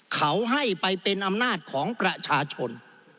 เขาให้ไปเป็นอำนาจของประชาชน